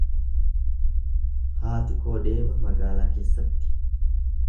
Haati koo deema magaalaa keessatti.